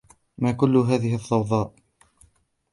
ما كل هذه الضوضاء ؟